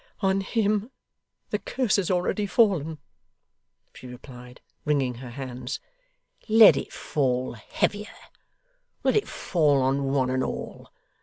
'On him the curse has already fallen,' she replied, wringing her hands. 'Let it fall heavier. Let it fall on one and all.